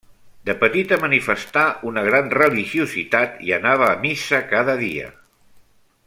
De petita manifestà una gran religiositat i anava a missa cada dia.